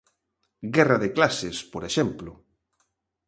Guerra de clases, por exemplo.